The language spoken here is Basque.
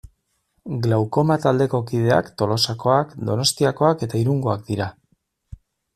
Glaukoma taldeko kideak Tolosakoak, Donostiakoak eta Irungoak dira.